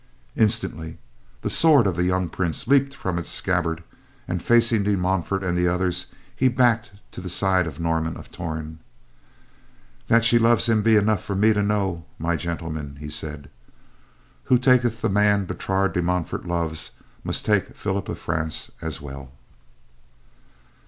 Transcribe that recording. Instantly, the sword of the young Prince leaped from its scabbard, and facing De Montfort and the others, he backed to the side of Norman of Torn. "That she loves him be enough for me to know, my gentlemen," he said. "Who takes the man Bertrade de Montfort loves must take Philip of France as well."